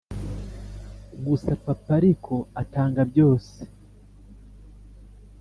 gusa papa, ariko atanga byose